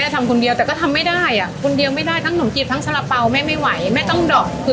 พอเปิดร้านปั๊บก็มีมรสุนชีวิตเกิดขึ้น